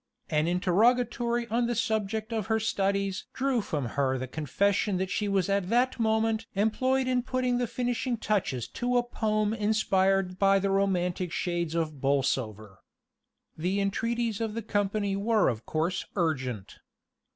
An interrogatory on the subject of her studies drew from her the confession that she was at that moment employed in putting the finishing touches to a poem inspired by the romantic shades of Bolsover. The entreaties of the company were of course urgent.